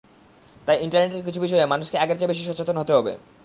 তাই ইন্টারনেটের কিছু বিষয়ে মানুষকে আগের চেয়ে বেশি সচেতন হতে হবে।